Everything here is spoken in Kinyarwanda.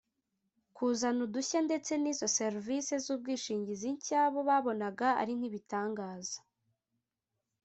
kuzana udushya ndetse n’izo serivisi z’ubwishingizi nshya bo babonaga ari nk’ibitangaza